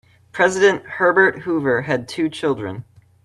President Herbert Hoover had two children.